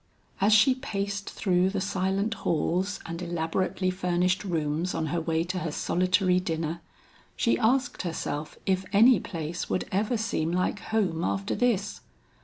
As she paced through the silent halls and elaborately furnished rooms on her way to her solitary dinner, she asked herself if any place would ever seem like home after this.